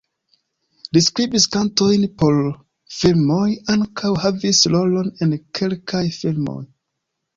Li skribis kantojn por filmoj, ankaŭ havis rolon en kelkaj filmoj.